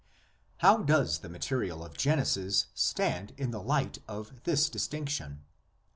How does the material of Genesis stand in the light of this distinction?